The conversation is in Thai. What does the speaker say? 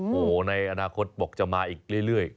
โอ้โหในอนาคตบอกจะมาอีกเรื่อย